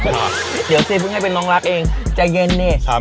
เดี๋ยวเชฟก็ให้เป็นน้องรักเองใจเย็นดิ